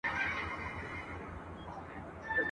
نه د غم پر تشېدو